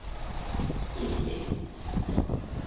智識